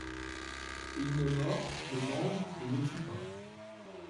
Il ne mord, ne mange et ne tue pas.